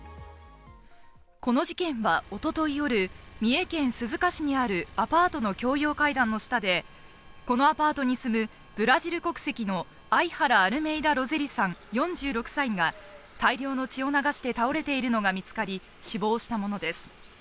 この事件は一昨日夜、三重県鈴鹿市にあるアパートの共用階段の下でこのアパートに住むブラジル国籍のアイハラ・アルメイダ・ロゼリさん４６歳が大量の血を流して倒れているのが見つかり死亡したものです。